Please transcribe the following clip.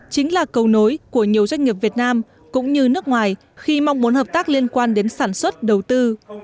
chính là cầu nối của nhiều doanh nghiệp việt nam cũng như nước ngoài khi mong muốn hợp tác liên quan đến sản xuất đầu tư